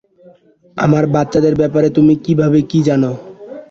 আমার বাচ্চাদের ব্যাপারে তুমি কিভাবে কি জানো?